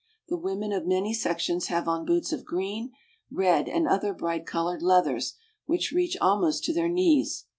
The women of many sections have on boots of green, red, and other bright colored leathers, which reach almost to their knees.